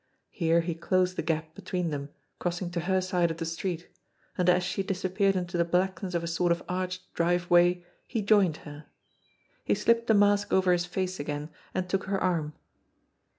Here he closed the gap between them, crossing to her side of the street and as she disap peared into the blackness of a sort of arched driveway, he joined her. He slipped the mask over his face again, and took her arm.